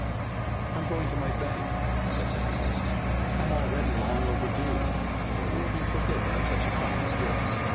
"I'm going to my bank," said St. Clair. "I'm already long overdue, but it will be forgiven at such a time as this.